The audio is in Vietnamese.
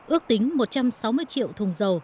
ước tính một trăm sáu mươi triệu thùng dầu